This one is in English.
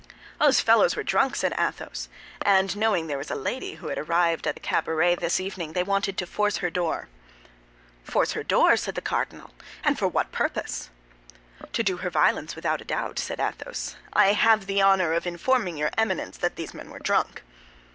"These fellows were drunk," said Athos, "and knowing there was a lady who had arrived at the cabaret this evening, they wanted to force her door." "Force her door!" said the cardinal, "and for what purpose?" "To do her violence, without doubt," said Athos. "I have had the honor of informing your Eminence that these men were drunk."